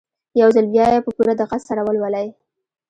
يو ځل بيا يې په پوره دقت سره ولولئ.